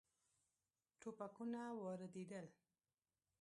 ټوپکونه واردېدل.